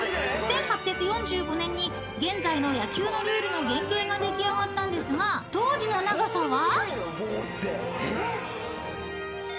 ［１８４５年に現在の野球のルールの原形が出来上がったんですが当時の長さは］